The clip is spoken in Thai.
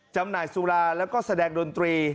จำหน่ายสุราแล้วก็แสดงดนตรี